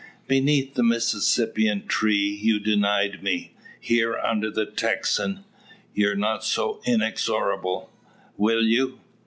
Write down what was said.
Beneath the Mississippian tree you denied me: here under the Texan, you'll not be so inexorable will you?"